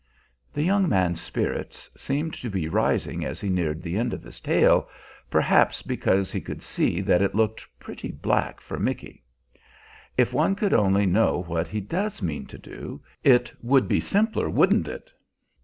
The young man's spirits seemed to be rising as he neared the end of his tale, perhaps because he could see that it looked pretty black for "Micky." "If one could only know what he does mean to do, it would be simpler, wouldn't it?"